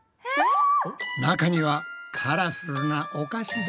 中にはカラフルなお菓子だ。